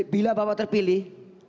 bila bapak terpilih